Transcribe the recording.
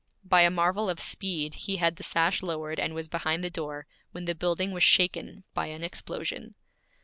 By a marvel of speed he had the sash lowered, and was behind the door, when the building was shaken by an explosion.